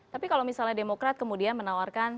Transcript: tapi kalau misalnya demokrat kemudian menawarkan